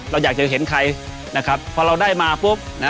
เราอยากจะเห็นใครนะครับพอเราได้มาปุ๊บนะ